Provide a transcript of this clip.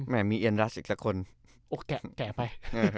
แหละมีเอนลัสอีกซะคนโอ้แก่ไป